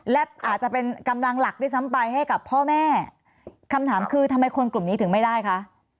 และอาจจะเป็นกำลังหลักด้วยซ้ำไปให้กับพ่อแม่คำถามคือทำไมคนกลุ่มนี้ถึงไม่ได้คะ